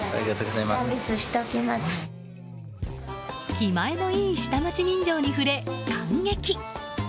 気前のいい下町人情に触れ感激！